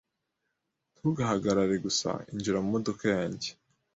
Ntugahagarare gusa Injira mu modoka yanjye